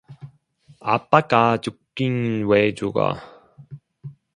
아빠가 죽긴 왜 죽어?